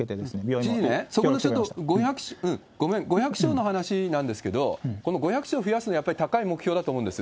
知事、そこを受けて、５００床の話なんですけれども、５００床増やすのは高い目標だと思うんです。